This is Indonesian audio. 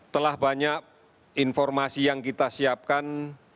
telah banyak informasi yang kita siapkan